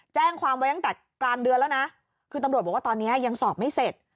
แจ้งความไว้ตั้งแต่กลางเดือนแล้วนะคือตำรวจบอกว่าตอนนี้ยังสอบไม่เสร็จ